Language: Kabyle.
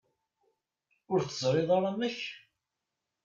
Ur teẓriḍ ara amek?